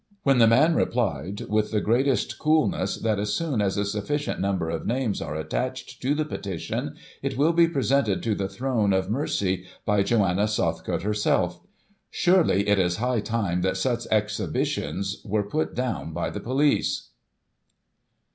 when the man replied, with the greatest coolness, that as soon as a sufficient number of names are attached to the petition, it will be presented to the Throne of Mercy by Joanna Southcote herself. Surely it is high time that such exhibitions were put down by the police.'